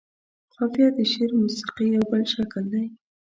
قافيه د شعر موسيقۍ يو بل شکل دى.